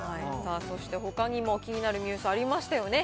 そしてほかにも気になるニュースありましたよね。